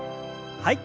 はい。